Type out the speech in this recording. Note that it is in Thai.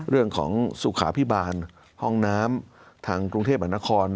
เรื่องของสุขาพิบาลห้องน้ำทางกรุงเทพมหานคร